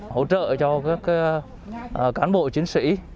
hỗ trợ cho các cán bộ chiến sĩ